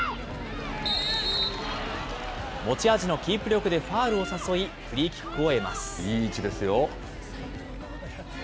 持ち味のキープ力でファウルを誘い、フリーキックを得ます。